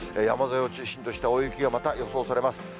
山沿いを中心とした大雪がまた予想されます。